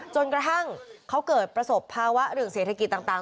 จนกระทั่งเขาเกิดประสบภาวะเรื่องเศรษฐกิจต่าง